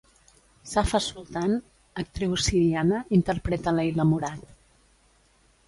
Safa Sultan, actriu siriana, interpreta Leila Mourad.